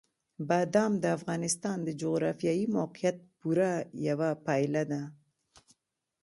بادام د افغانستان د جغرافیایي موقیعت پوره یوه پایله ده.